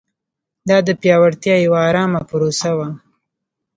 دا د پیاوړتیا یوه ارامه پروسه وه.